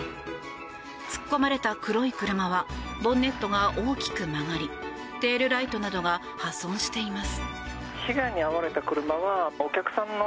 突っ込まれた黒い車はボンネットが大きく曲がりテールライトなどが破損しています。